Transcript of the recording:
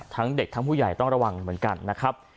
ทั้งเด็กทั้งผู้ใหญ่ต้องระวังเหมือนกันนะครับ